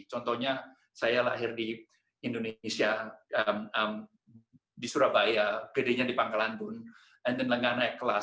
contohnya saya lahir di indonesia di surabaya kedainya di pangkalanbun dan kemudian langgan naik kelas